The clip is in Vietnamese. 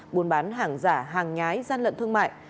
buôn bán hàng giả hàng nhái gian lận thương mại